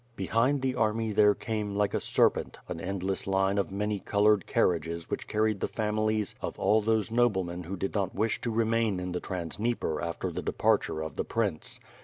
Behind the army there came, like a serpent, an endless line of many colored carriages which carried the families of all those noblemen who did not wish to remain in the trans Dnieper after the departure of the prince.